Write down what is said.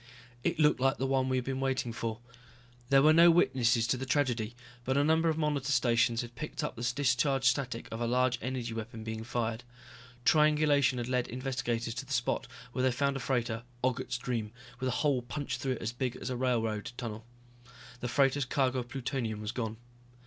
It looked like the one we had been waiting for. There were no witnesses to the tragedy, but a number of monitor stations had picked up the discharge static of a large energy weapon being fired. Triangulation had lead investigators to the spot where they found a freighter, Ogget's Dream, with a hole punched through it as big as a railroad tunnel. The freighter's cargo of plutonium was gone.